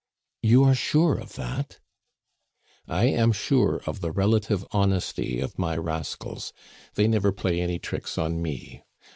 "You are sure of that?" "I am sure of the relative honesty of my rascals; they never play any tricks on me.